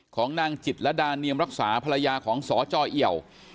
ของนางจิตรดาเนียมรักษาภรรยาของสจเอี่ยว